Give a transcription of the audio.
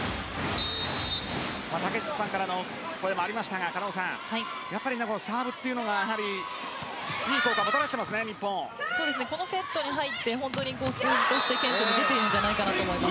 竹下さんからの声がありましたが狩野さん、やっぱりサーブがいい効果をこのセットに入って数字として顕著に出ているんじゃないかなと思います。